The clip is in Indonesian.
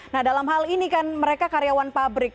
nah dalam hal ini kan mereka karyawan pabrik